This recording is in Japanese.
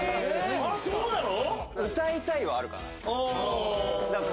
そうなの？